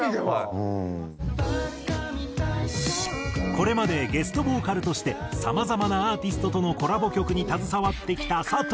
これまでゲストボーカルとしてさまざまなアーティストとのコラボ曲に携わってきた佐藤だが。